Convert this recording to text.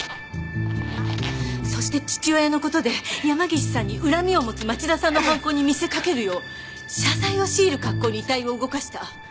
そして父親の事で山岸さんに恨みを持つ町田さんの犯行に見せかけるよう謝罪を強いる格好に遺体を動かした。